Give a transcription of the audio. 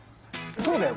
そうだよ